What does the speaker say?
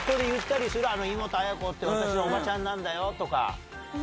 イモトアヤコって私のおばちゃんなんだよ！とか。